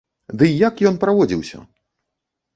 Дый як ён праводзіўся?